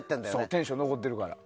テンション残ってるから。